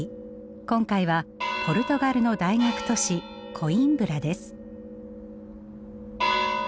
今回はポルトガルの大学都市コインブラです。